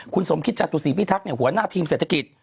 คุณสมคิตจตุศีพิทักษ์หัวหน้าทีมเศรษฐกิจ